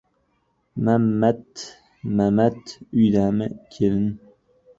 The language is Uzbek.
— Mamat! Mamat uydami, kelin?